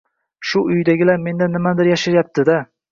Shu, uyidagilar mendan nimanidir yashirishyapti-da...